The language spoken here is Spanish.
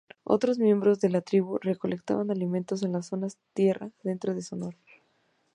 Otros miembros de la tribu recolectaban alimentos en las zonas tierra adentro de Sonora.